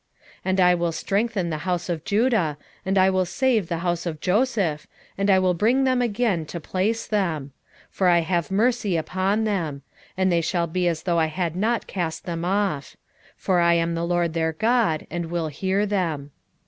10:6 And I will strengthen the house of Judah, and I will save the house of Joseph, and I will bring them again to place them; for I have mercy upon them: and they shall be as though I had not cast them off: for I am the LORD their God, and will hear them.